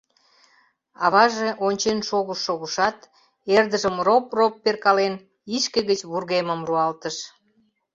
Аваже ончен шогыш-шогышат, эрдыжым роп-роп перкален, ишке гыч вургемым руалтыш.